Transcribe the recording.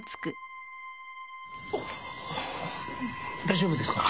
大丈夫ですか？